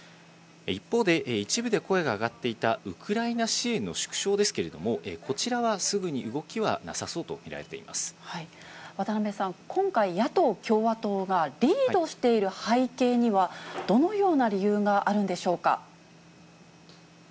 一方で、一部で声が上がっていたウクライナ支援の縮小ですけれども、こちらはすぐに動きはなさそ渡邊さん、今回、野党・共和党がリードしている背景には、どのような理由があるんでしょうか。